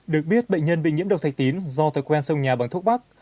được biết bệnh nhân bị nhiễm độc thạch tín do thói quen sông nhà bằng thuốc bắc